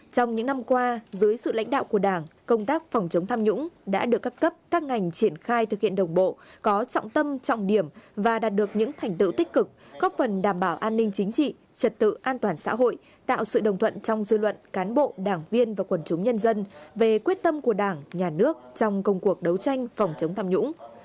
trong những năm qua dưới sự lãnh đạo của đảng công tác phòng chống tham nhũng đã được cấp cấp các ngành triển khai thực hiện đồng bộ có trọng tâm trọng điểm và đạt được những thành tựu tích cực góp phần đảm bảo an ninh chính trị trật tự an toàn xã hội tạo sự đồng thuận trong dư luận cán bộ đảng viên và quần chúng nhân dân về quyết tâm của đảng nhà nước trong công cuộc đấu tranh phòng chống tham nhũng